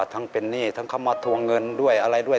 ทั้งเป็นหนี้ทั้งเขามาทวงเงินด้วยอะไรด้วย